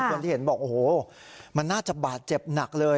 คนที่เห็นบอกโอ้โหมันน่าจะบาดเจ็บหนักเลย